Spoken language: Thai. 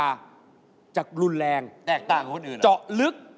หลุดจากรุนแรงแตกต่างเจาะลึก